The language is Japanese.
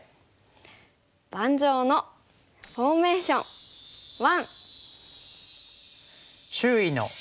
「盤上のフォーメーション１」。